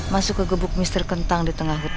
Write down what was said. masuk ke gebuk mister kentang di tengah hutan